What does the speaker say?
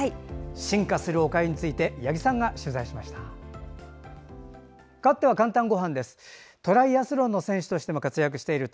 進化するおかゆについて八木さんが取材しました。